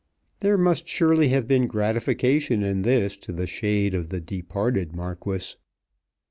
There must surely have been gratification in this to the shade of the departed Marquis.